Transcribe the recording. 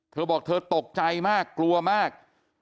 เธอบอกเธอตกใจมากกลัวมาก